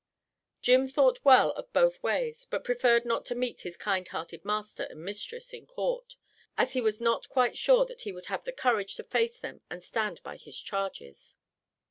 Jim thought well of both ways, but preferred not to meet his "kind hearted" master and mistress in Court, as he was not quite sure that he would have the courage to face them and stand by his charges.